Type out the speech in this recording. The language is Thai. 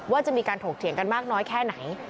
ว่าจะมีการถกเถียงกันมากน้อยแค่ไหน